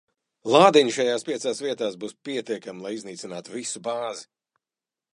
Lādiņi šajās piecās vietās būs pietiekami, lai iznīcinātu visu bāzi.